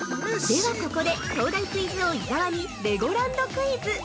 ◆では、ここで東大クイズ王・伊沢にレゴランドクイズ。